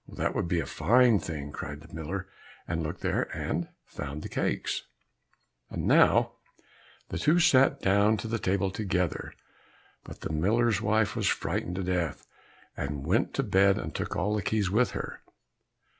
"That would be a fine thing!" cried the miller, and looked there, and found the cakes. And now the two sat down to the table together, but the miller's wife was frightened to death, and went to bed and took all the keys with her.